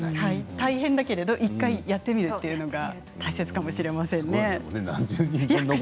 大変だけど１回やってみるのが大事かもしれませんね。